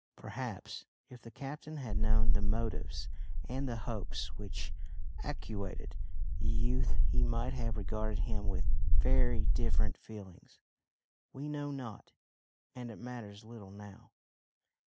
Perhaps if the captain had known the motives and the hopes which actuated the youth he might have regarded him with very different feelings! We know not and it matters little now.